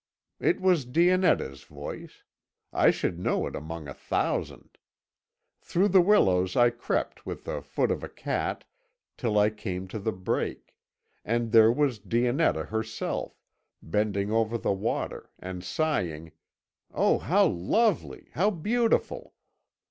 It was Dionetta's voice; I should know it among a thousand. Through the willows I crept with the foot of a cat till I came to the break, and there was Dionetta herself, bending over the water, and sighing, 'Oh, how lovely! how beautiful!'